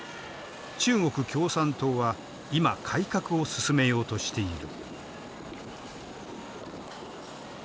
中国共産党は今改革を進めようとしている。